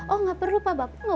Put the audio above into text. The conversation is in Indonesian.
oh gak perlu pak bapak